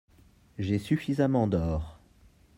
J'ai suffisamment d'or.